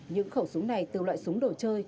những khẩu súng này từ loại súng đồ chơi